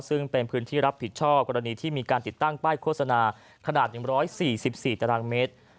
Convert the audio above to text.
ซึ่งเป็นพื้นที่รับผิดชอบกรณีที่มีการติดตั้งป้ายโฆษณาขนาด๑๔๔ตารางเมตร